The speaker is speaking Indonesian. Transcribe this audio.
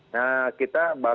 nah kita bahkan